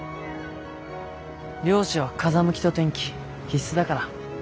漁師は風向きと天気必須だから。